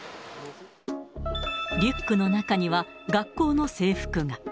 リュックの中には学校の制服が。